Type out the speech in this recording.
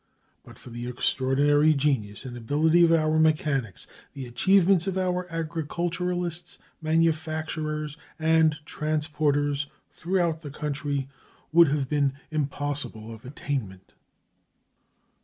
But for the extraordinary genius and ability of our mechanics, the achievements of our agriculturists, manufacturers, and transporters throughout the country would have been impossible of attainment.